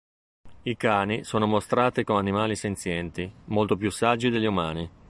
I cani sono mostrati come animali senzienti, molto più saggi degli umani.